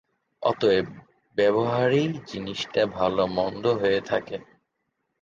অতএব ব্যবহারেই জিনিষটা ভাল মন্দ হয়ে থাকে।